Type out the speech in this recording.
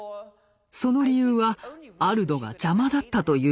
その理由はアルドが邪魔だったということです。